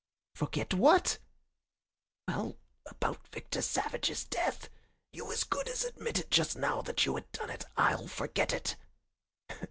"Forget what?" "Well, about Victor Savage's death. You as good as admitted just now that you had done it. I'll forget it."